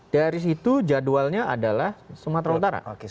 dari situ jadwalnya adalah sumatera utara